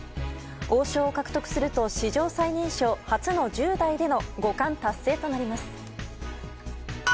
王将を獲得すると、史上最年少初の１０代での五冠達成となります。